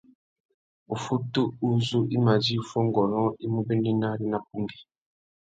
Uffutu uzú i mà djï fuongôrông i mú béndénari nà pungüi.